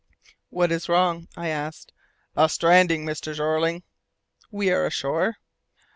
"What is wrong?" I asked. "A stranding, Mr. Jeorling." "We are ashore!"